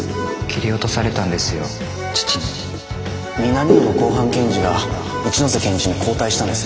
南野の公判検事が一ノ瀬検事に交代したんです。